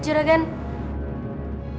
kukel megapak tadi